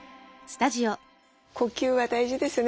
呼吸は大事ですね。